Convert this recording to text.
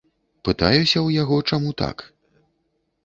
Пытаюся ў яго, чаму так.